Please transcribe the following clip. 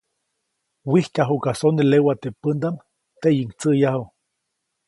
Wijtyajuʼka sone lewa teʼ pändaʼm, teʼyiʼuŋ tsäʼyäju.